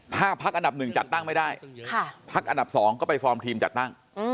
ถ้าพักอันดับหนึ่งจัดตั้งไม่ได้พักอันดับ๒ก็ไปฟอร์มทีมจัดตั้ง